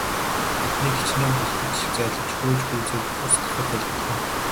Тэднийг хэчнээн бултаж зайлавч хөөж гүйцээд устгахад хялбархан.